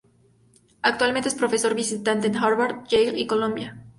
Actualmente es profesor visitante en Harvard, Yale y Columbia.